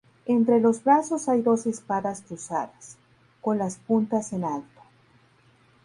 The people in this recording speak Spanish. Entre los brazos hay dos espadas cruzadas, con las puntas en alto.